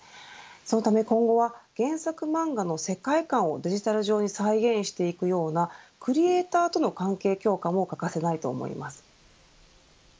そのため今後は原作漫画の世界観をデジタル上に再現していくようなクリエイターとの関係強化も欠かせないと思います。